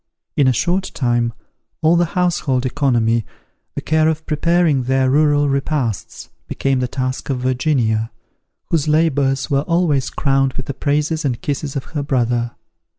In a short time, all the household economy, the care of preparing their rural repasts, became the task of Virginia, whose labours were always crowned with the praises and kisses of her brother.